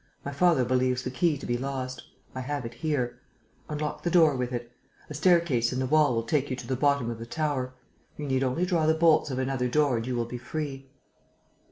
My father believes the key to be lost. I have it here. Unlock the door with it. A staircase in the wall will take you to the bottom of the tower. You need only draw the bolts of another door and you will be free."